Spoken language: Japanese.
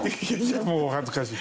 もうお恥ずかしい。